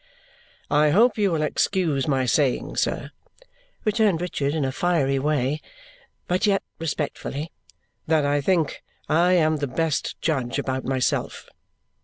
"I hope you will excuse my saying, sir," returned Richard in a fiery way, but yet respectfully, "that I think I am the best judge about myself."